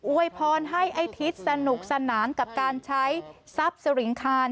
วยพรให้ไอ้ทิศสนุกสนานกับการใช้ทรัพย์สริงคาร